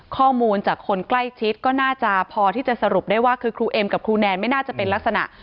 ข้อมูลจากคนใกล้ชิดก็น่าจะพอที่จะสรุปได้ว่าคือครูเอ็มกับครูแนนไม่น่าจะเป็นลักษณะ